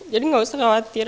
jadi enggak usah khawatir